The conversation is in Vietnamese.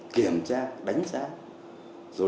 kiểm tra đào tạo